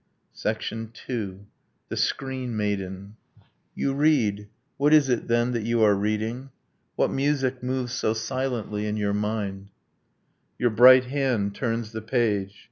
II. THE SCREEN MAIDEN You read what is it, then that you are reading? What music moves so silently in your mind? Your bright hand turns the page.